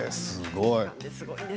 すごい。